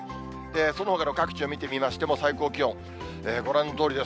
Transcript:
そのほかの各地を見てみても最高気温、ご覧のとおりです。